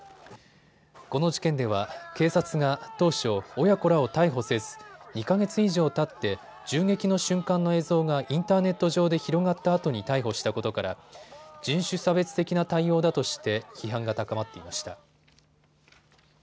この事件では警察が当初親子らを逮捕せず２か月以上たって銃撃の瞬間の映像がインターネット上で広がったあとに逮捕したことから人種差別的な対応だとして批判が高まっていました。